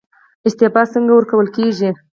استعفا څنګه ورکول کیږي؟